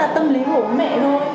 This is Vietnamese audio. tâm lý của mẹ thôi